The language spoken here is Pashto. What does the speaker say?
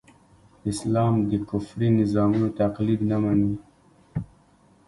اسلام د کفري نظامونو تقليد نه مني.